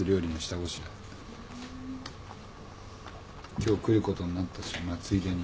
今日来ることになったしまあついでに。